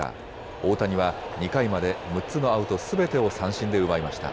大谷は２回まで６つのアウトすべてを三振で奪いました。